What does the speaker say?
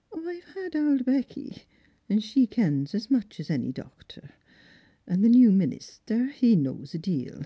" I've had auld Becky, she kens as much as ony doctor ; and the new minister, he knows a deal.